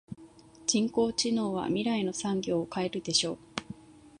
人工知能は未来の産業を変えるでしょう。